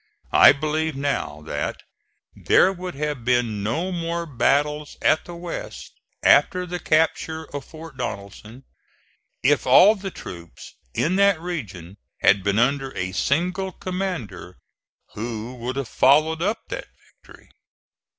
I believe now that there would have been no more battles at the West after the capture of Fort Donelson if all the troops in that region had been under a single commander who would have followed up that victory.